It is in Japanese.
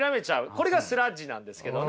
これがスラッジなんですけどね。